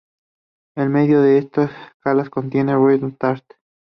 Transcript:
El medio de estas calas contiene Red Tarn.